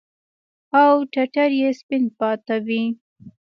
او ټټر يې سپين پاته وي.